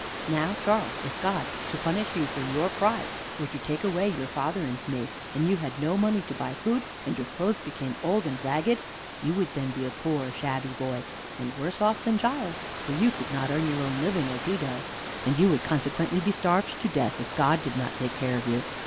Now, Charles, if God, to punish you for your pride, were to take away your father and me, and you had no money to buy food, and your clothes became old and ragged, you would then be a poor, shabby boy, and worse off than Giles; for you could not earn your own living, as he does; and you would consequently be starved to death if God did not take care of you.